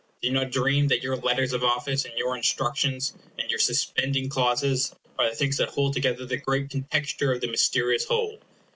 Do not dream that your letters of office, and your instructions, and your suspending clauses, are the things that hold together the great contexture of the mysterious whole.